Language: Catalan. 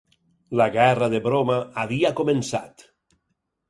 La Guerra de Broma havia començat.